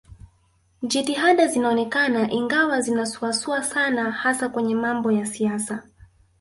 Jitihada zinaonekana ingawa zinasuasua sana hasa kwenye mambo ya siasa